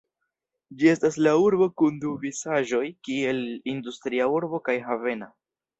Ĝi estas la urbo kun du vizaĝoj kiel industria urbo kaj havena.